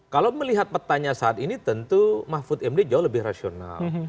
kalau melihat petanya saat ini tentu mahfud md jauh lebih rasional